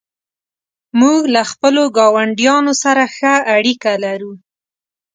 موږ له خپلو ګاونډیانو سره ښه اړیکه لرو.